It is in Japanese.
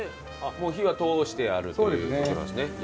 もう火が通してあるという事なんですね。